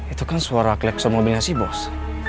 itu kan suara klek soal mobilnya si bos